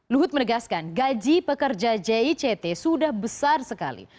luhut menegaskan gaji pekerja jict sudah besar sekali